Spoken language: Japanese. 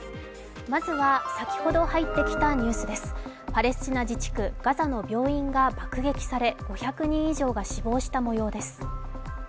まずは先ほどは行ってきたニュースです、パレスチナ自治区ガザの病院が爆撃され５００人以上が死亡したもようです。